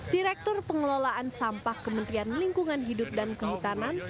direktur pengelolaan sampah kementerian lingkungan hidup dan kehutanan